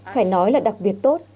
phải nói là đặc biệt tốt